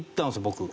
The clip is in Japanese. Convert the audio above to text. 僕。